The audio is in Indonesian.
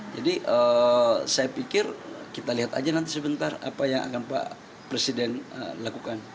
jadi saya pikir kita lihat aja nanti sebentar apa yang akan pak presiden lakukan